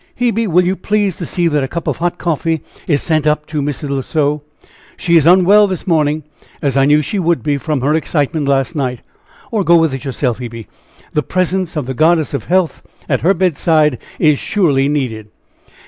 "Hebe! will you please to see that a cup of hot coffee is sent up to Mrs. L'Oiseau; she is unwell this morning, as I knew she would be, from her excitement last night; or go with it yourself, Hebe! The presence of the goddess of health at her bedside is surely needed."